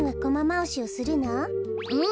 うん。